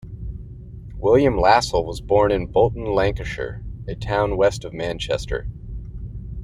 William Lassell was born in Bolton, Lancashire, a town west of Manchester.